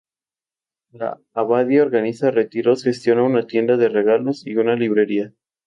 La abadía organiza retiros, gestiona una tienda de regalos y una librería.